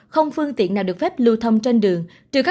không phương tiện nào được phép lưu thông trên đường